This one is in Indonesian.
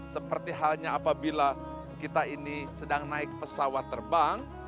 seperti halnya apabila kita ini sedang naik pesawat terbang